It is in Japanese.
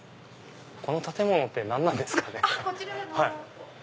この建物って何なんですかね？